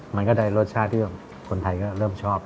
มันก็ได้รสชาติที่คนไทยก็เริ่มชอบ